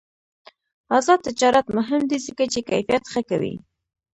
آزاد تجارت مهم دی ځکه چې کیفیت ښه کوي.